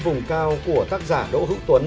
vùng cao của tác giả đỗ hữu tuấn